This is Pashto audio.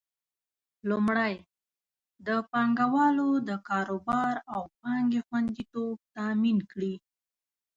لومړی: د پانګوالو د کاروبار او پانګې خوندیتوب تامین کړي.